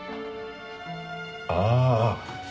ああ。